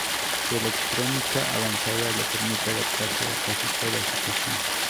Su electrónica avanzada le permite adaptarse a casi toda situación.